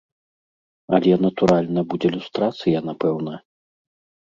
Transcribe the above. Але, натуральна, будзе люстрацыя, напэўна.